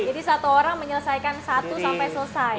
jadi satu orang menyelesaikan satu sampai selesai